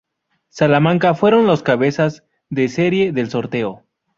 Salamanca fueron los cabezas de serie del sorteo.